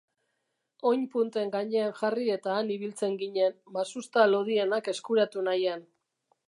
Oin punten gainean jarri eta han ibiltzen ginen, masusta lodienak eskuratu nahian.